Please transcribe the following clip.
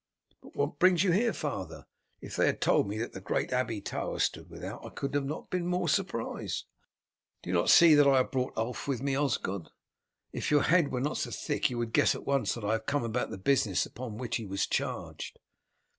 "But what brings you here, father? If they had told me that the great Abbey tower stood without I could not be more surprised." "Do you not see that I have brought Ulf with me, Osgod? If your head were not so thick you would guess at once that I have come about the business with which he was charged."